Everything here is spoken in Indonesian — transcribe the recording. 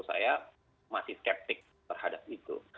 saya masih skeptik terhadap itu